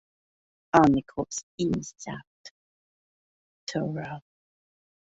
Army Corps in South Tyrol.